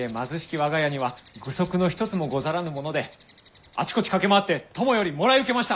我が家には具足の一つもござらぬものであちこち駆け回って友よりもらい受けました。